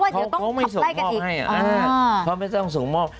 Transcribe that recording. ยังเขาไม่ส่งมอบให้เขาไม่ต้องส่งมอบ